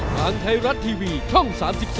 ทางไทยรัฐทีวีช่อง๓๒